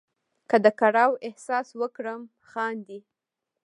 که د کړاو احساس وکړم خاندې.